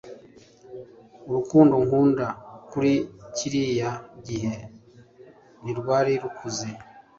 urukundo nkunda kuri kiriya gihe ntirwari rukuze